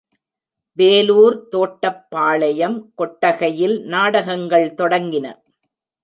வேலூர் தோட்டப்பாளையம் கொட்டகையில் நாடகங்கள் தொடங்கின.